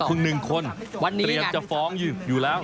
ใดกล่องนึงคนเตรียมจะฟ้องอยู่แล้ว